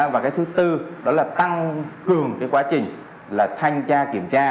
và cái thứ tư đó là tăng cường cái quá trình thanh tra kiểm tra